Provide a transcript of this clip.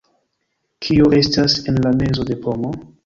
Kio estas en la mezo de pomo?